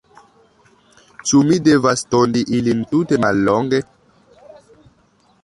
Ĉu mi devas tondi ilin tute mallonge?